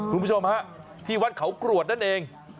คุณผู้ชมฮะที่วัดเขากรวดนั่นเอง